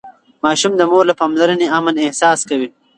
ماشوم د مور له پاملرنې امن احساس کوي.